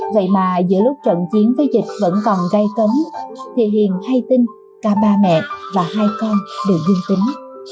vậy mà giữa lúc trận chiến với dịch vẫn còn gây cấm thì hiền hay tin cả ba mẹ và hai con đều dương tính